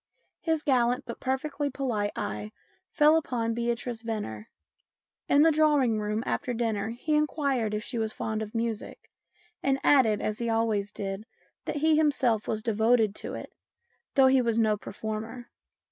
His gallant but perfectly polite eye fell upon Beatrice Venner. In the drawing room after dinner he inquired if she was fond of music, and added, as he always did, that he himself was devoted to it, though he was no performer.